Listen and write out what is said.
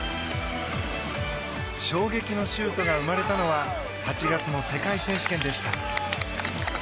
衝撃のシュートが生まれたのは８月の世界選手権でした。